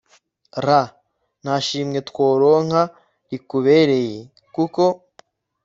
r/ nta shimwe tworonka rikubereye (), kuko